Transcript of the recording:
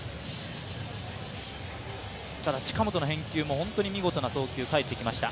ただ、近本の返球も本当に見事な送球、返ってきました。